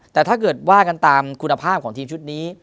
แต่ถ้าเกิดว่ากันตามคุณภาพของทีมชุดนี้